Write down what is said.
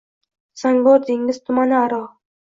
Zangor dengiz tumani aro!..